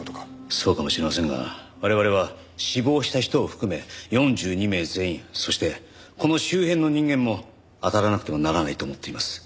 そうかもしれませんが我々は死亡した人を含め４２名全員そしてこの周辺の人間もあたらなくてはならないと思っています。